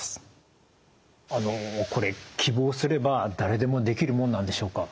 あのこれ希望すれば誰でもできるものなんでしょうか？